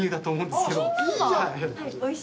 はい。